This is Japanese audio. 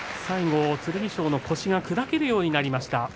最後剣翔の腰が砕けるようになりました。